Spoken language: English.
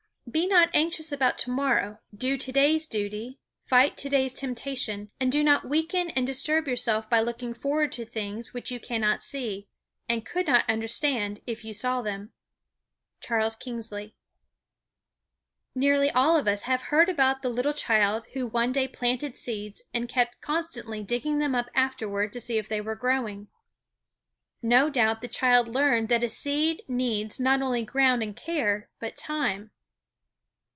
"Be not anxious about to morrow. Do to day's duty, fight today's temptation; and do not weaken and disturb yourself by looking forward to things which you cannot see, and could not understand if you saw them." Charles Kingsley. Nearly all of us have heard about the little child who one day planted seeds and kept constantly digging them up afterward to see if they were growing. No doubt the child learned that a seed needs not only ground and care, but time.